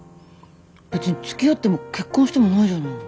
別につきあっても結婚してもないじゃない。